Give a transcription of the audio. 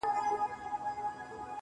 سیاه پوسي ده، دا دی لا خاندي.